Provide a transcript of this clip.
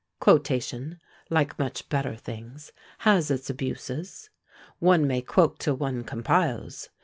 Quotation, like much better things, has its abuses. One may quote till one compiles.